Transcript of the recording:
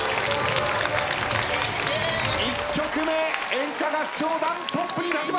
１曲目演歌合唱団トップに立ちました。